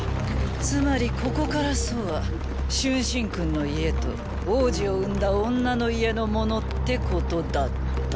つまりここから楚は春申君の家と王子を産んだ女の家のものってことだった。